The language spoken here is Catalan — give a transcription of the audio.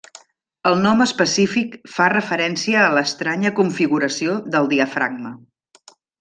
El nom específic fa referència a l'estranya configuració del diafragma.